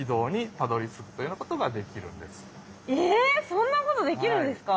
そんなことできるんですか？